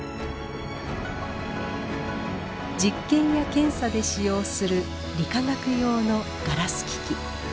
実験や検査で使用する理化学用のガラス機器。